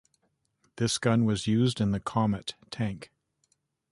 This gun was used in the Comet tank.